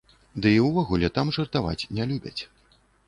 Ды і ўвогуле там жартаваць не любяць.